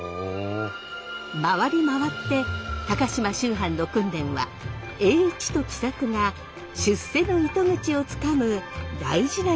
回り回って高島秋帆の訓練は栄一と喜作が出世の糸口をつかむ大事なイベントとなったのです。